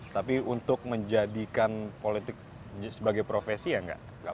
tapi untuk menjadikan politik sebagai profesi ya nggak